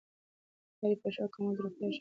د کاري فشار کمول د روغتیا ښه والي سبب کېږي.